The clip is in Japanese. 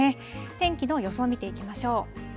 天気の予想見ていきましょう。